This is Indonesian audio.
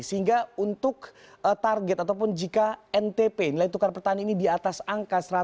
sehingga untuk target ataupun jika ntp nilai tukar petani ini di atas angka seratus